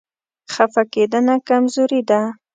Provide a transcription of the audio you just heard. خفه کېدنه کمزوري ده.